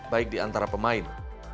baik di antara pemain